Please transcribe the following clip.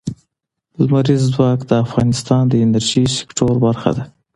لمریز ځواک د افغانستان د انرژۍ سکتور برخه ده.